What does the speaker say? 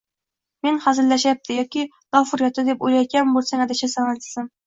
Meni hazillashyapti yoki lof uryapti, deb o`ylayotgan bo`lsang, adashasan, azizim